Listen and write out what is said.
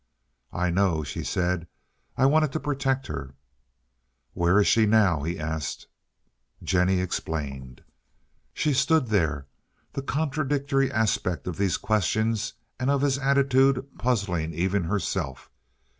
"I know," she said. "I wanted to protect her." "Where is she now?" he asked. Jennie explained. She stood there, the contradictory aspect of these questions and of his attitude puzzling even herself.